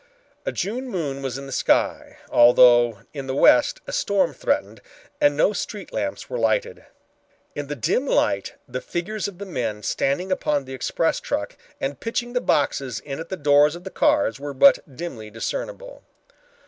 A June moon was in the sky, although in the west a storm threatened, and no street lamps were lighted. In the dim light the figures of the men standing upon the express truck and pitching the boxes in at the doors of the cars were but dimly discernible.